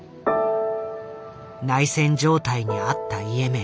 内戦状態にあったイエメン。